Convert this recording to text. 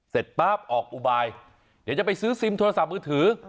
ป๊าบออกอุบายเดี๋ยวจะไปซื้อซิมโทรศัพท์มือถือ